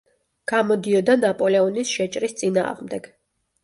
გამოდიოდა ნაპოლეონის შეჭრის წინააღმდეგ.